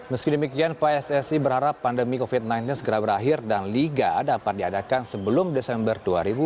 meski demikian pssi berharap pandemi covid sembilan belas segera berakhir dan liga dapat diadakan sebelum desember dua ribu dua puluh